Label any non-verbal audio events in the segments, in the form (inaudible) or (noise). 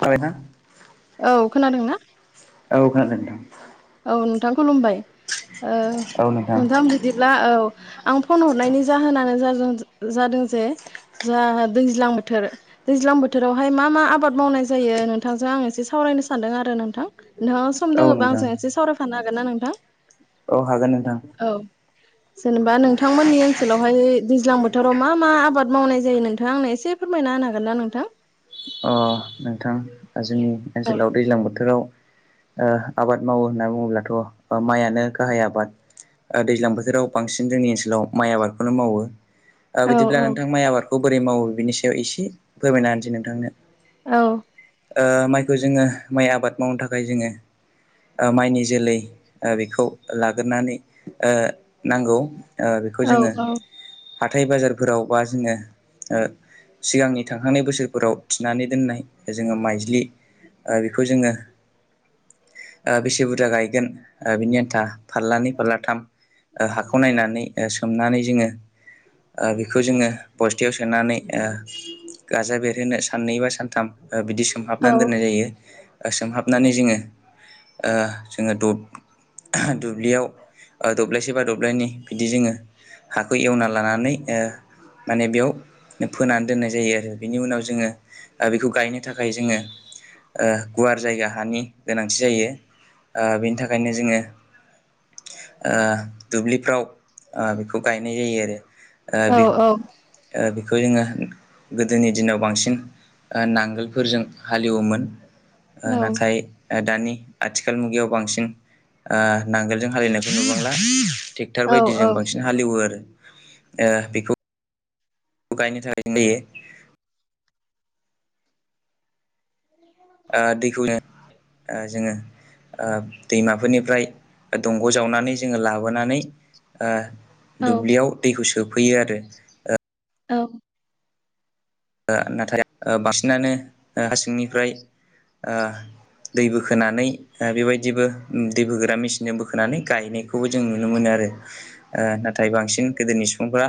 थाबायना औ खोनादों ना? औ खोनादों नोंथां। औ नोंथां खुलुमबाय ओ नोंथां बिदिब्ला औ आं फन हरनायनि जाहोनानो जादो जादों जे जा दैज्लां बोथोर दैज्लां बोथोरावहाय मा मा आबाद मावनाय जायो नोंथांजों आं एसे सावरायनो सानदों आरो नोंथां। नोंथाङा सम औ दोङोबा नोंथां आंजों एसे सावरायफानो हागोन ना नोंथां? औ हागोन नोंथां औ जेनेबा नों नोंथांमोननि ओनसोलावहाय दैज्लां बोथोराव मा मा आबाद मावनाय जायो नोंथाङा आंनो एसे फोरमायना होनो हागोन ना नोंथां? अ नोंथां जोंनि औ ओनसोलाव दैलां बोथोराव ओ आबाद मावो होनना बुङोब्लाथ' माइयानो गाहाय आबाद। ओक्षदैज्लां बोथोराव बांसिन जोंनि ओनसोलाव माइ आबादखौनो मावो। ओ औ बिदिब्ला औ नोंथां माइ आबादखौ बोरै मावो बिनि सायाव एसे फोरमायना होनसै नोंथांनो। औ। ओ माइखौ जोङो माइ आबाद मावनो थाखाय जोङो ओ माइनि जोलै ओ बेखौ लाग्रोनानै ओ नांगौ। ओ बेखौ औ जोङो हाथाय बाजारफोराव बा जोङो ओ सिगांनि थांखांनाय बोसोरफोराव थिनानै दोननाय जोङो माइज्लि ओ बेखौ जोङो ओ बेसे बुरजा गायगोन ओ बिनि आन्था फारलानै फारलाथाम ओ हाखौ नायनानै सोमनानै जोङो ओ बेखौ जोङो बस्थायाव सोनानै ओ गाजा बेरहोनो सा साननै बा सानथाम ओ बिदि औ सोमहाबनानै दोननाय जायो। ओ सोमहाबनानै जोङो ओ जोङो द दुब्लियाव ओ दब्लायसे बा दब्लायनि बिदि जोङो हाखौ एवना लानानै ओ माने बेयाव फोनानै दोननाय जायो आरो बेनि उनाव जोङो बेखौ गायनो थाखाय जोङो ओ गुवार जायगा हानि गोनांथि जायो ओ बेनि थाखायनो जोङो ओ दुब्लिफ्राव ओ बेखौ गायनाय जायो आरो। ओ औ बेख बेखौ जोङो गोदोनि दिनाव बांसिन ओ नांगोलफोरजों हालेवोमोन ओ नाथाय ओ दानि आथिखाल मुगायाव बांसिन ओ नांगोलजों हालिवनायखौ नुबांला थिग टार औ बायदि जों बांसिन हालेवो आरो ओ बेखौ गायनो थाखाय जायो। दैखौ ज जोङो दैमाफोरनिफ्राय दंग' जावनानै जोङो लाबोनानै औ ओं दुब्लियाव दैखौ सोफैयो आरो। औ ओ नाथाय ओ बांसिनानो ओ हासिंनिफ्राय ओ दै बोखोनानै ओ बेबायदिबो दै बोग्रा मेसिनजों बोखोनानै गायनायखौ बेखौबो जों नुनो मोनो आरो। ओ नाथाय बांसिन गोदोनि सुबुंफोरा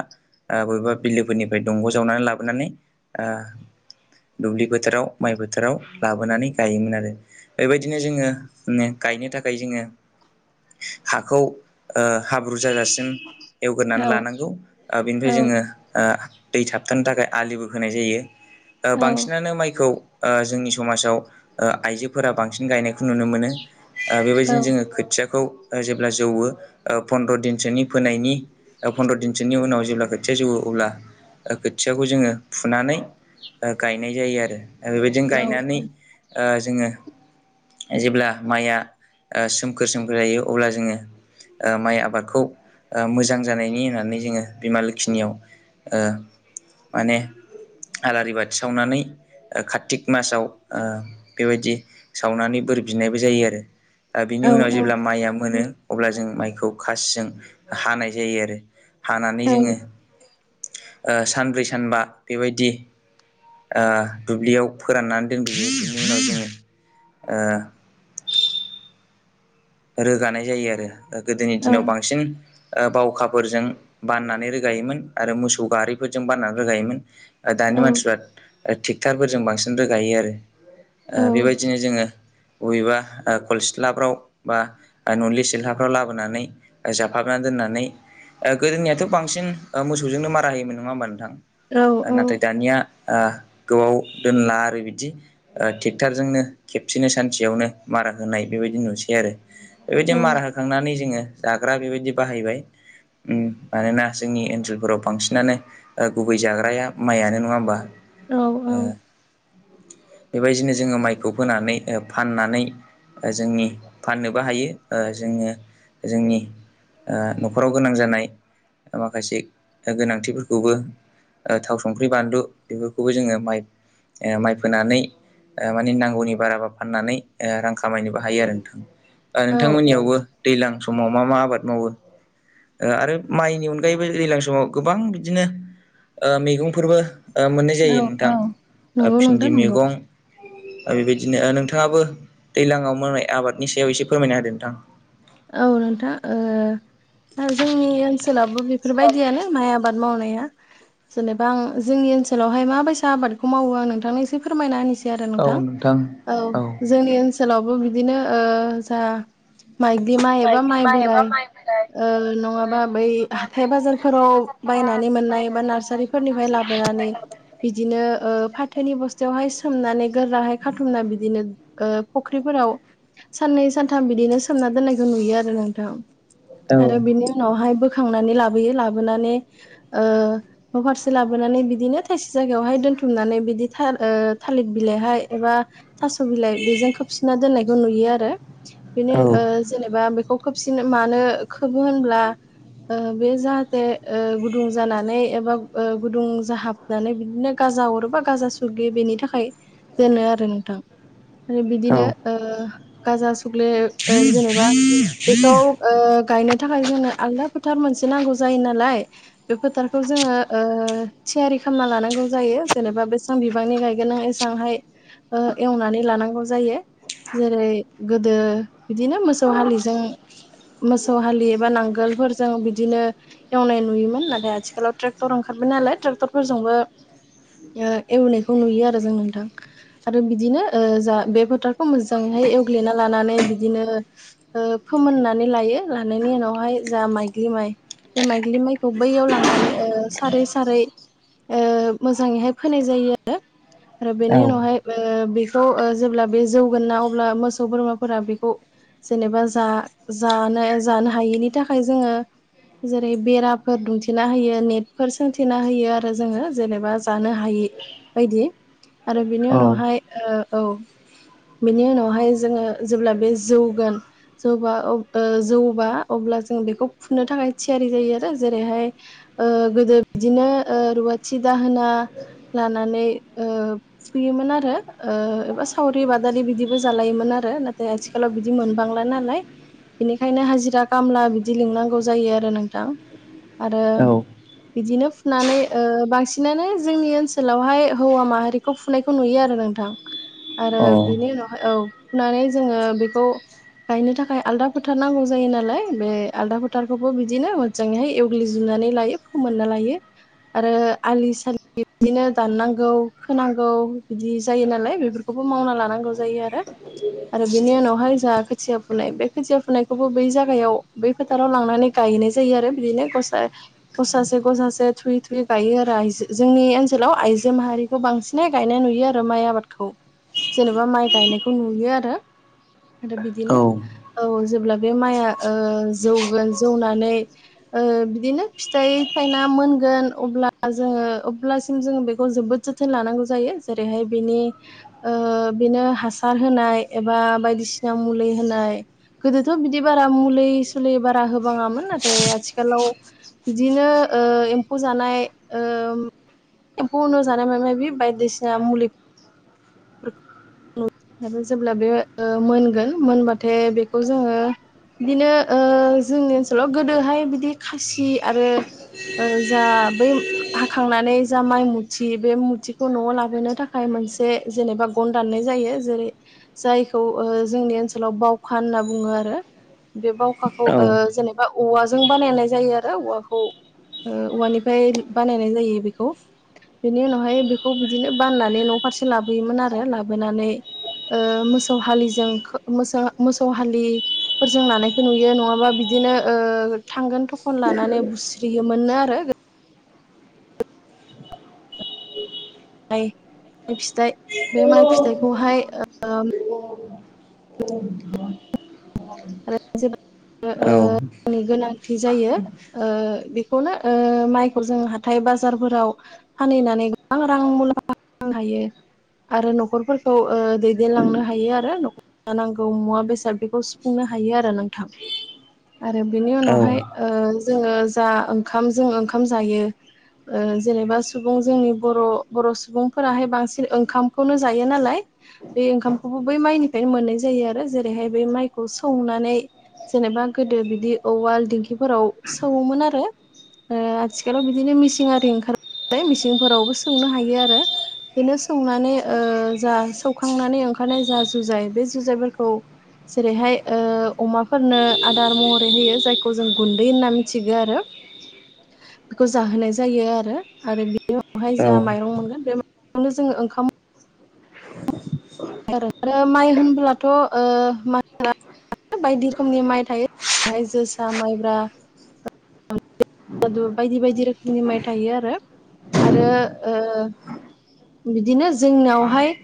ओ बबेबा बिलोफोरनिफ्राय दंग जावनानै लाबोनानै ओ दुब्लि फोथाराव माइ बोथोराव लाबोनानै गायोमोन आरो। बेबायदिनो जोङो माने गायनो थाखाय जोङो हाखौ ओ हाब्रु जाजासिम उम औ एवगोरनानै लानांगौ ओ औ बेनिफाय जोङो ओ दै थाबथानो‌ थाखाय आलिबो होनाय जायो ओ औ बांसिनानो माइखौ ओ जोंनि समाजाव ओ आइजोफोरा बांसिन गायनायखौ नुनो मोनो ओ औ बेबायदिनो जोङो खोथियाखौ ओ जेब्ला जौवो फन्द्र दिनसोनि फोनायनि फन्द्र दिनसोनि उनाव जेब्ला खोथिया जौवो अब्ला खोथियाखौ जोङो फुनानै ओ‌ गायनाय जायो आरो ओ बेबायदिनो औ गायनानै ओ जोङो जेब्ला माइ या सोमखोर सोमखोर जायो अब्ला जोङो ओ माइ आबादखौ ओ मोजां जानायनि होननानै जोङो बिमा लोखिनियाव ओ माने आलारि बाथि सावनानै ओ कारतिक मासाव ओ बेबायदि सावनानै बोर बिनायबो जायो आरो ओ औ बिनि उनाव जेब्ला माइया मोनो अब्ला जों माइखौ खासिजों हानाय जायो आरो हानानै औ जोङो ओ सानब्रै सानबा बेबायदि ओह दुब्लियाव फोराननानै दोनजोबो बिनि उनाव जोङो ओ रोगानाय जायो आरो गोदोनि औ दिनाव बांसिन ओ बावखाफोरजों बाननानै रोगायोमोन आरो मोसौ गारिफोरजों बाननानै रोगायोमोन। ओ औ दानि मानसिफ्रा ओ थेकथारफोरजों बांसिन रोगायो आरो। बेबायदिनो जोङो बबेबा ओ कल सिथ्लाफ्राव बा ननि सिल्लाफ्राव लाबोनानै जाफाबना दोननानै ओ गोदोनियाथ बांसिन ओ मोसौजोंनो मारा होयोमोन नङा होमबा नोंथां ओ नाथाय दानिया आ गोबाव दोनला आरो बिदि ओ थेकथारजोंनो खेबसेनो सानसेयावनो मारा होनाय बेबायदि नुसै। आरो बेबायदि मारा होखांनानै जोङो जाग्रा बेबायदि बाहायबाय उम मानोना जोंनि ओनसोलफोराव बांसिनानो ओ गुबै जाग्राया माइयानो नङा होमबा। औ बेबायदिनो जोङो माइखौ फोनानै ओ फाननानै ओ जोंनि फाननोबो हायो ओ जोङो जोंनि ओ नखराव गोनां जानाय माखासे गोनांथिफोरखौबो ओ थाव संख्रि बानलु बेफोरखौबो जोङो माइ ओ माइ फोनानै ओ माने नांगौनि बाराबा फाननानै ओ रां खामायनोबो हायो आरो नोंथां ओ औ नोंथां मोननियावबो दैलां समाव मा मा आबाद मावो ओ आरो माइनि अनगायैबो दैलां समाव गोबां बिदिनो ओ मेगंफोरबो ओ मोननाय औ जायो नोंथां औ ओ नंगौ नोंथां भिन्दि नंगौ मेगं ओ बेबायदिनो ओ‌ नोंथाङाबो दैलाङाव मावनाय आबादनि सायाव एसे फोरमायना होदो नोंथां। औ नोंथां ओ दा जोंनि ओनसोलावबो बेफोरबायदियानो माइ आबाद मावनाया जेनेबा आं जोंनि ओनसोलावहाय माबायसा आबादखौ मावो आं नोंथांनो एसे फोरमायना होनिसै आरो नोंथां औ नोंथां। नोंथां जोंनि ओनसोलावबो बिदिनो ओ जा माइदलि माइ एबा माइ बोराइ ओ नङाबा बै हाथाय बाजारफोराव बायनानै मोननाय एबा नार्सारिफोरनिफाय लाबोनानै बिदि बिदिनो ओ फाथोनि बस्थायावहाय सोमनानै गोराहाय खाथुमना बिदिनो ओ फुख्रिफोराव साननै सानथाम बिदिनो सोमना दोननायखौ नुयो आरो नोंथा आरो बिनि उनावहाय बोखांनानै लाबोयो लाबोनानै न' फारसे लाबोनानै बिदिनो थाइसे जायगायावहाय दोनथुमनानै बिदि थ थालिर बिलाइहाय एबा थास' बिलाइ बेजों खोबसिना दोननायखौ नुयो आरो बेनि औ जेनेबा बेखौ खोबसिन मानो खबो होनब्ला बे जाहाथे गुदुं जानानै एबा गुदुं जाहाब होननानै बिदिनो गाजा अरोबा गाजा सुगैयो बेनि थाखाय दोनो आरो नोंथां। आरो बिदिनो औ गाजा सुक्ले जेनेबा बेखौ गायनो थाखाय जोंनो आलदा फोथार मोनसे नांगौ जायो नालाय। बे फोथारखौ जोङो थियारि खालामना लानांगौ जायो जेनेबा बेसेबां बिबांनि गायगोन नों एसे सिगांहाय एवनानै लानांगौ जायो जेरै गोदो बिदिनो मोसौ हालिजों मोसौ हालि एबा नांगोलफोरजों बिदिनो एवनाय नुयोमोन नाथाय आथिखालाव ट्रेक्टर ओंखारबाय नालाय ट्रेक्टरफोरजोंबो एवनायखौ नुयो आरो जों नोंथां आरो बिदिनो जा बे फोथारखौ मोजाङैहाय एवग्लिना लानानै बिदिनो ओ फोमोननानै लायो लानायनि उनावहाय जा माइग्लि माइ बेमाइग्लि माइखौ बैयाव लांनानै ओ सारै सारै ओ मोजाङैहाय फोनाय जायो आरो आरो औ बेनि उनावहाय बेखौ जेब्ला बे जौगोन ना अब्ला मोसौ बोरमाफोरा बे खौ जेनेबा जा जानो जानो हायिनि थाखाय जोङो जेरै बेराफोर दुमथेना होयो नेटफोर सोंथेना होयो आरो जोङो जेनेबा जानो हायि बायदि आरो बिनि औ उनावहाय औ बेनि उनावहाय जोङो जेब्ला बे जौगोन जौबा जौबा अब्ला जों बेखौ फुननो थाखाय थियारि जायो आरो जेरैहाय ओ गोदो बिदिनो ओ रुवाथि दाहोना लानानै ओ सुयोमोन आरो ओ एबा सावरि बादा बिदिबो जालायोमोन आरो नाथाय आथिखाल आथिखालाव बिदि मोनबांला नालाय बेनिखायनो हाजिरा खामला बिदि लिंनांगौ जायो आरो नोंथां आरो अ औ बिदिनो फुनानै ओ बांसिनानो जोंनि ओनसोलावहाय हौवा माहारि फुनायखौ नुयो आरो नोंथां आरो बिनि उनावहाय औ फुनानै जोङो ज गायनो थाखाय आलदा फोथार नांगौ जायो नालाय बे आलदा फोथारखौबो बिदिनो हजाङैहाय एवग्लिजुबनानै लायो मोन लायो आरो आलि सालि बिदिनो दाननांगौ खोनांगौ बिदि जायो नालाय बेफोरखौबो मावना लानांगौ जायो आरो ज बिनि उनावहाय जोंहा खोथिया फुनाय बे खोथिया फुनायखौबो बै जागगायाव बै फोथाराव लांनानै गायनाय जायो आरो बिदिनो सासे गसासे थुयै थुयै गायो आरो आइ जोंनि ओनसोलाव आइजो माहारि बेखौ बांसिनै गायनाय नुयो आरो माइ आबादखौ जेनेबा माइ गायनायखौ नुयो आरो आरो बिदिनो औ जेब्ला बे माइआ जौगोन जौनानै ओ बिदिनो फिथाइ थायना मोनगोन अब्ला जोङो अब्लासिम जोङो बेखौ जोबोद जोथोन लानांगौ जायो जेरैहाय बेनि ओ बेनो हासार होनाय एबा बायदिसिना मुलि होनाय गोदोथ' बिदि बारा मुलि सुलै बारा होबाङामोन नाथाय आथिखालाव बिदिनो ओ एम्फौ जानाय ओ बन' जानाय मा बे बायदिसिना मुलि नु जेब्ला बे मोनगोन मोनबाथाय बेखौ जोङो बिदिनो ओ जोंनि ओनसोलाव गोदोहाय बिदि खासि आरो ओ जा बै हाखांनानै जा माइ मुथि बे मुथिखौ न'आव लाबोनो थाखाय मोनसे जेनेबा गन दाननाय जायो जेरै जाय जोंनि ओनसोलाव बावखा होनना बुङो आरो बे बावखाखौ जेनेबा औवाजों बानायनाय जायो आरो औवाखौ औवानिफ्राय बानायनाय जायो बेखौ बेनि उनावहाय बेखौ बिदिनो बाननानै न' फारसे लाबोयोमोन आरो लाबोनानै ओ मोसौ हालिजों मोसौ हालि फोरजों लानायखौ नुयो नङाबा बिदिनो ओ थांगोन थखन लानानै बुस्रियोमोननो आरो माइ माइ फिथाइ बे माइ फिथाइखौहाय (inaudible) (inaudible) औ। (inaudible) गोनांथि जायो। बेखौनो माइखौ जों हाथाय बाजारफोराव फानहैनानै गोबां रां मुलाम्फा मोनो हायो। आरो न'खरफोरखौ दैदेनलांनो हायो आरो नांगौ मुवा बेसाद बेखौ सुफुंनो हायो आरो नोंथां आरो बेनि उनावहाय जोङो जा ओंखाम जोङो ओंखाम जायो। जेनेबा सुबुं जोंनि बर' बर' सुबुंफोराहाय बांसिन ओंखामखौनो जायो नालाय। बे ओंखामखौबो बै माइनिफ्रायनो मोननाय जायो आरो जेरैहाय बै माइखौ सौनानै जेनेबा गोदो बिदि औवाल दिंखिफोराव सौवोमोन आरो। आथिखालाव बिदिनो मिसिं आरि ओंखार मिसिंफोरावबो सौवनो हायो आरो। बिदिनो सौवनानै जा सौवखांनानै ओंखारनाय जा जुजाइ बे जुजाइफोरखौ जेरैहाय अमाफोरनो आदार महरै होयो जायखौ जों गुन्दै होनना मिथिगौ आरो। बेखौ जाहोनाय जायो आरो आरो बिनि उनावहाय औ जा माइरं मोनगोन बेखौनो जोङो ओंखाम आरो माइ होनब्लाथ' बायदि रोखोमनि माइ थायो बेहाय जोसा, माइब्रा बायदि बायदि रोखोमनि माइ थायो आरो आरो। बिदिनो जोंनिहाय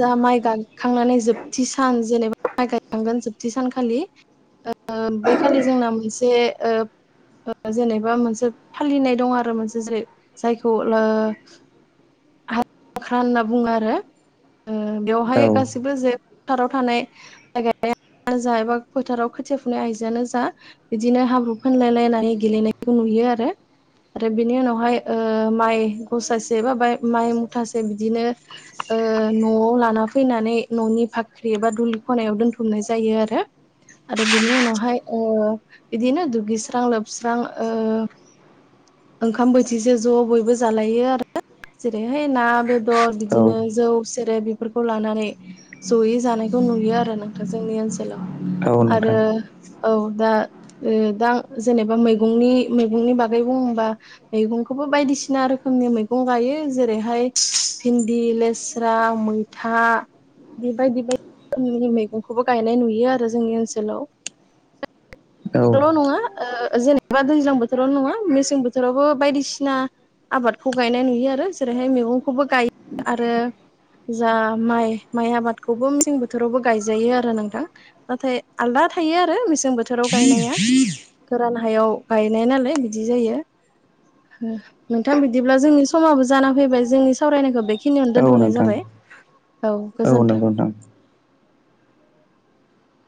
जा माइ गायखांनानै जोबथि सान जेनेबा माइ गायखांगोन जोबथि सानखालि बैखालि जोंना मोनसे जेनेबा मोनसे फालिनाय दं आरो मोनसे जेरै जायखौ फाख्रा होनना बुङो आरो बेवहाय गासिबो जे फोथाराव थानाय जायानो जा एबा फोथाराव खोथिया फुनाय आइजोनो जा बिदिनो हाब्रु फुनलायलायनानै गेलेनायखौ नुयो आरो‌। आरो बेनि उनावहाय माइ गसासे बा माइ मुथासे बिदिनो। न'आव लाना फैनानै न'नि फाख्रि एबा दुलि खनायाव दोनथुमनाय जायो आरो। आरो बिनि उनावहाय बिदिनो दुगैस्रां लोबस्रां ओंखाम बोथिसे ज' बयबो जालायो आरो। जेरैहाय ना बेदर औ बिदिनो जौ जेरै बेफोरखौ लानानै जयै जानायखौ नुयो आरो नोंथां जोंनि ओनसोलाव। औ आरो। नोंथां औ दा दा जेनेबा मैगंनि मैगंनि बागै बुंबा मैगंखौबो बायदिसिना रोखोमनि मैगं गायो जेरै जेरैहाय भिन्दि, लेस्रा, मैथा बेबायदि बायदि रोखोमनि मैगंखौबो गायनाय नुयो आरो जोंनि ओनसोलाव। औ (inaudible) ल' नङा जेनेबा दैज्लां बोथोरावल' नङा मेसें बोथोरावबो बायदिसिना। आबादखौ गायनाय नुयो आरो जेरैहाय मैगंखौबो गायो आरो। जा माइ माइ आबादखौबो मेसें बोथोरावबो गायजायो आरो नोंथां। नाथाय आलदा थायो आरो मेसें बोथोराव गायनाया गोरान हायाव गायनाय नालाय बिदि जायो। नोंथां बिदिब्ला जोंनि समाबो जाना फैबाय जोंनि सावरायनायखौ बेख खिनियावनो औ दोनथ'नाय नोंथां जाबाय औ गोजोन्थों नंगौ नोंथां